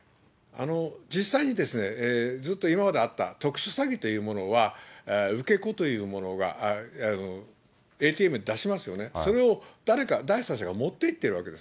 実際にですね、ずっと今まであった特殊詐欺というものは、受け子というものがＡＴＭで出しますよね、それを誰か、第三者が持っていってるわけです。